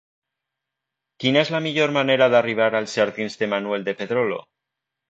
Quina és la millor manera d'arribar als jardins de Manuel de Pedrolo?